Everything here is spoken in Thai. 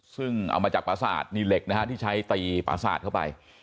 ซึ่งเอามาจากประสาทนี่เหล็กนะฮะที่ใช้ตีประสาทเข้าไป